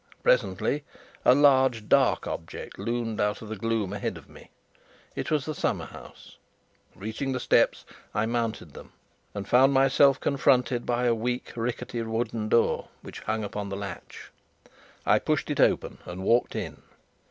Presently a large dark object loomed out of the gloom ahead of me. It was the summer house. Reaching the steps, I mounted them and found myself confronted by a weak, rickety wooden door, which hung upon the latch. I pushed it open and walked in.